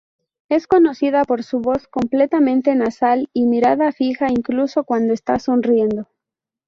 Es conocida por su voz completamente nasal y mirada fija incluso cuando está sonriendo.